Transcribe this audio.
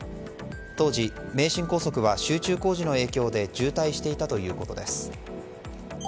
当時、名神高速は集中工事の影響で渋滞していたということです。